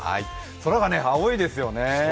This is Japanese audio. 空が青いですよね。